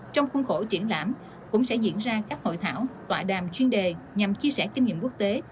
trong khuôn khổ triển lãm cũng sẽ diễn ra các hội thảo tọa đàm chuyên đề nhằm chia sẻ kinh nghiệm quốc tế